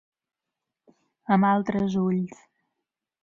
Amb altres ulls.